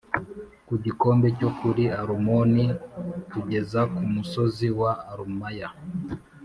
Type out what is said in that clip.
ku gikombe cyo kuri arunoni tugeza ku musozi wa alumaya